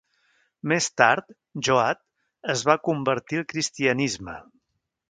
Més tard, Joad es va convertir al Cristianisme.